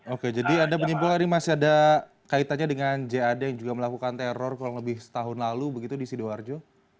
oke jadi anda menyimpulkan ini masih ada kaitannya dengan jad yang juga melakukan teror kurang lebih setahun lalu begitu di sidoarjo